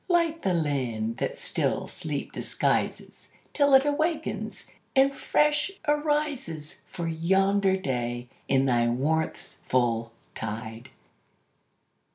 Light the land that still sleep disguises Till it awakens and fresh arises For yonder day in thy warmth's full tide!